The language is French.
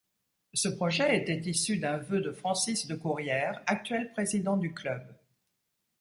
Ce projet était issu d'un vœu de Francis Decourrière, actuel président du club.